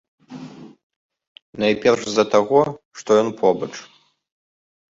Найперш з-за таго, што ён побач.